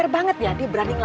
omong omong gue berhargaku